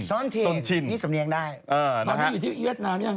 ชินโซนชินนี่สำเนียงได้ตอนนี้อยู่ที่เวียดนามยัง